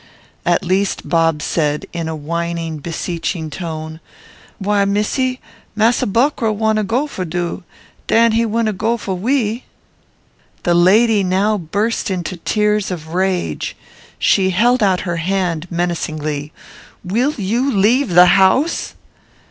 At last Bob said, in a whining, beseeching tone, "Why, missee, massa buckra wanna go for doo, dan he winna go fo' wee." The lady now burst into tears of rage. She held out her hand, menacingly. "Will you leave the house?"